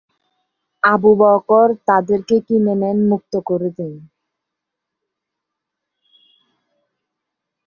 আবু বকর তাদেরকে কিনে নেন মুক্ত করে দেন।